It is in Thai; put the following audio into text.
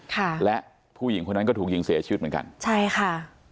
ค่ะและผู้หญิงคนนั้นก็ถูกยิงเสียชีวิตเหมือนกันใช่ค่ะ